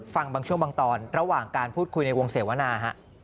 บางช่วงบางตอนระหว่างการพูดคุยในวงเสวนาฮะ